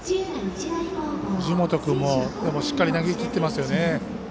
藤本君もしっかり投げきっていますね。